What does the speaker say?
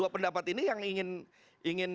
pendapat ini yang ingin